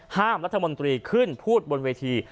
ห้ามรัฐมนตรีขึ้นพูดบนเวที